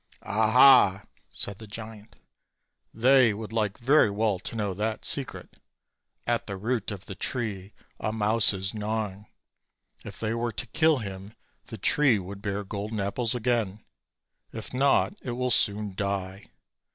"Aha!" said the giant, "they would like very well to know that secret. At the root of the tree a mouse is gnawing; if they were to kill him the tree would bear golden apples again; if not, it will soon die.